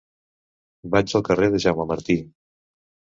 Vaig al carrer de Jaume Martí.